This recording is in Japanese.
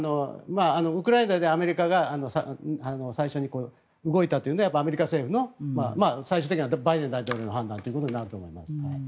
ウクライナでアメリカが最初に動いたというのはアメリカ政府の最終的にはバイデン大統領の判断ということになると思いますね。